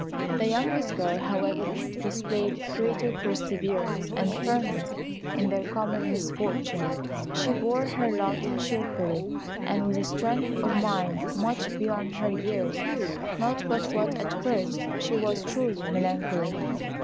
The youngest girl, however, displayed greater perseverance and firmness in their common misfortune. She bore her lot cheerfully, and with a strength of mind much beyond her years: not but what, at first, she was truly melancholy.